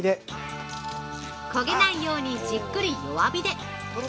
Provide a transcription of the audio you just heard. ◆焦げないようにじっくり弱火で。